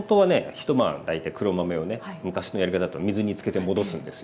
一晩大体黒豆をね昔のやり方だと水につけて戻すんですよ。